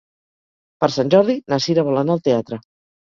Per Sant Jordi na Sira vol anar al teatre.